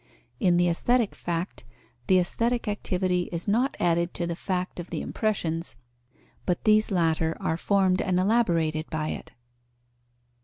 In the aesthetic fact, the aesthetic activity is not added to the fact of the impressions, but these latter are formed and elaborated by it.